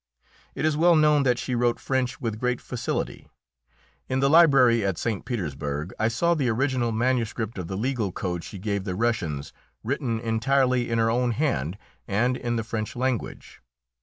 It is well known that she wrote French with great facility. In the library at St. Petersburg I saw the original manuscript of the legal code she gave the Russians written entirely in her own hand and in the French language.